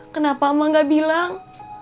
kenapa emak gak bilang